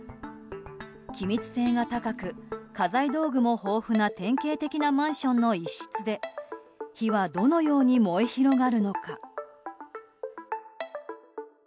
気密性が高く、家財道具も豊富な典型的なマンションの一室で火はどのように燃え広がるのか。